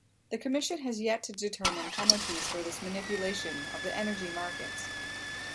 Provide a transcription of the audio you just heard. The commission has yet to determine penalties for this manipulation of the energy markets.